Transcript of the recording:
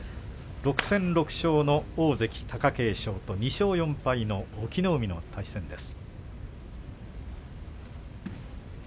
６戦６勝の大関貴景勝と２勝４敗の隠岐の海の対戦です。